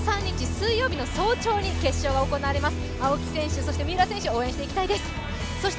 水曜日の早朝に決勝が行われます。